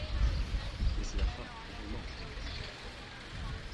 Mais c'est la fin, vraiment.